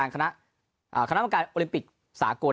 คณะกรรมการโอลิมปิกสากล